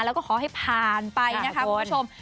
แล้วก็ขอให้ผ่านไปนะคะคุณผู้ชม